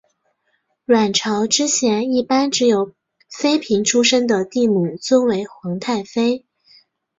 阮朝之前一般只有妃嫔出身的帝母尊为皇太妃。